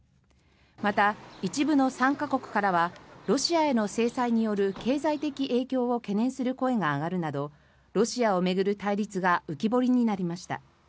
また、一部の参加国からはロシアへの制裁による経済的影響を懸念する声が上がるなどロシアを巡る対立が浮き彫りになりました。